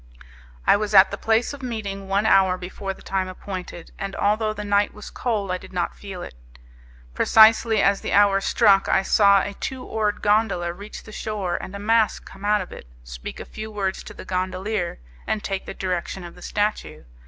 I was at the place of meeting one hour before the time appointed, and although the night was cold I did not feel it. Precisely as the hour struck I saw a two oared gondola reach the shore and a mask come out of it, speak a few words to the gondolier, and take the direction of the statue.